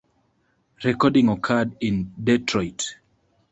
Recording occurred in Detroit.